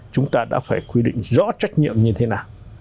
chúng ta đã phải quy định rõ trách nhiệm như thế nào